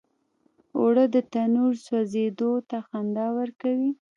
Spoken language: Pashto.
اوړه د تنور سوزیدو ته خندا ورکوي